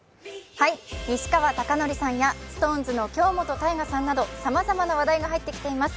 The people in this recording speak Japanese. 西川貴教さんやＳｉｘＴＯＮＥＳの京本大我さんなどさまざまな話題が入ってきています